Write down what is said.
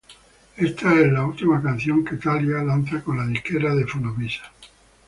Esta es la última canción que Thalia lanza con la disquera de Fonovisa.